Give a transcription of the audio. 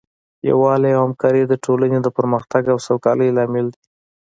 یووالی او همکاري د ټولنې د پرمختګ او سوکالۍ لامل دی.